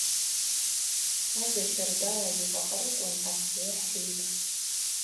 Ажва щардала йукъакърыквын афгӏвы хӏитӏ.